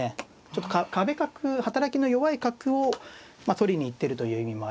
ちょっと壁角働きの弱い角を取りに行ってるという意味もありますので。